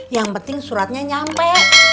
yang penting suratnya nyampe